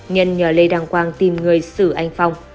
nhân nhờ lê đăng quang tìm người sử anh phong